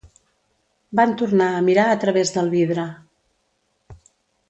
Van tornar a mirar a través del vidre.